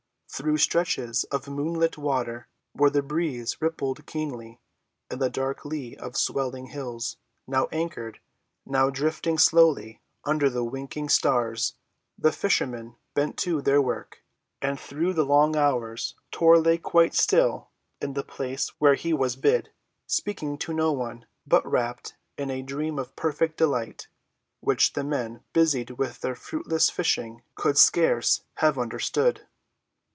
Through stretches of moonlit water, where the breeze rippled keenly, in the dark lee of swelling hills, now anchored, now drifting slowly under the winking stars, the fishermen bent to their work. And through the long hours Tor lay quite still in the place where he was bid, speaking to no one, but wrapped in a dream of perfect delight, which the men busied with their fruitless fishing could scarce have understood.